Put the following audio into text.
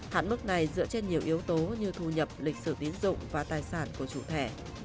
hạn mức này dựa trên nhiều yếu tố như thu nhập lịch sử tín dụng và tài sản của chủ thẻ